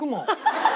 ハハハハ！